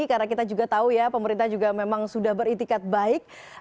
karena kita juga tahu ya pemerintah juga memang sudah beretikat baik